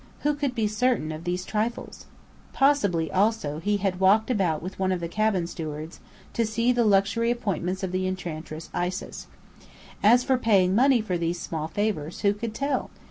Who could be certain of these trifles? Possibly, also, he had walked about with one of the cabin stewards, to see the luxurious appointments of the Enchantress Isis. As for paying money for these small favours, who could tell?